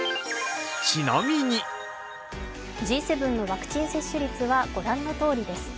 Ｇ７のワクチン接種率は御覧の通りです。